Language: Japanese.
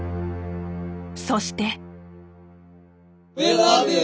そして。